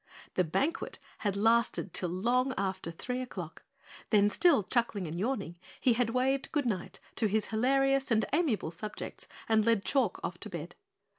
The banquet had lasted till long after three o'clock, then still chuckling and yawning, he had waved goodnight to his hilarious and amiable subjects and led Chalk off to bed.